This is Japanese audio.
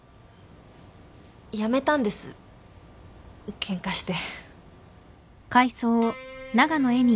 辞めたんですケンカして。